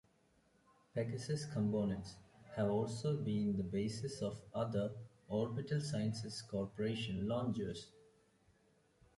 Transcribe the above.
Pegasus components have also been the basis of other Orbital Sciences Corporation launchers.